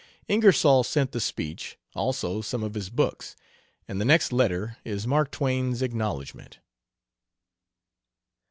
Ingersoll sent the speech, also some of his books, and the next letter is Mark Twain's acknowledgment.